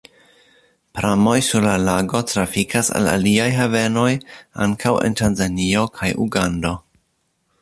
Pramoj sur la lago trafikas al aliaj havenoj, ankaŭ en Tanzanio kaj Ugando.